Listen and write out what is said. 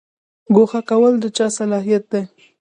ګوښه کول د چا صلاحیت دی؟